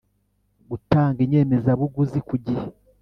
gutanga inyemezabuguzi kugihe